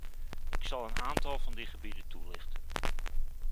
Ik zal een aantal van die gebieden toelichten.